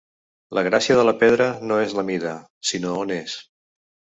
La gràcia de la pedra no és la mida, sinó on és.